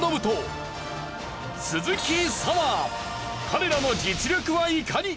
彼らの実力はいかに！？